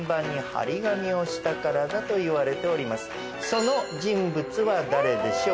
その人物は誰でしょう？